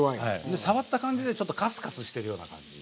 で触った感じでちょっとカスカスしてるような感じ